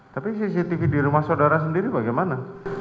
tapi cctv di rumah saudara sendiri bagaimana